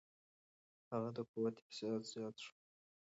هغه د قوت احساس زیات شو.